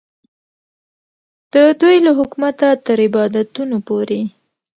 د دوی له حکومته تر عبادتونو پورې.